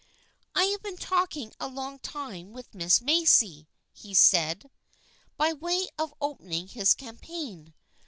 " I have been talking a long time with Miss Macy," said he, by way of opening his campaign.